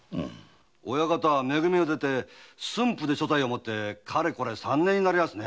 親方は駿府で所帯を持ってかれこれ三年になりやすね。